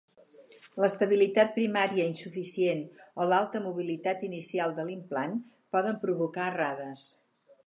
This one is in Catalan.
L'estabilitat primària insuficient o l'alta mobilitat inicial de l'implant, poden provocar errades.